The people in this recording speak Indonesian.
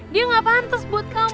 dia gak pantas buat kamu